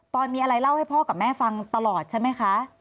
มีอะไรเล่าให้พ่อกับแม่ฟังตลอดใช่ไหมคะ